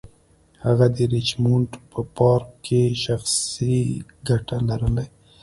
هغه د ریچمونډ په پارک کې شخصي ګټې لرلې.